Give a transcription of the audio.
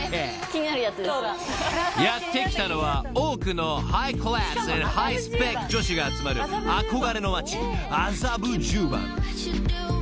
［やって来たのは多くのハイクラス＆ハイスペック女子が集まる憧れの町麻布十番］